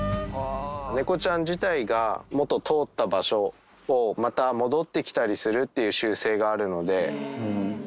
猫ちゃん自体が元通った場所をまた戻ってきたりするっていう習性があるので。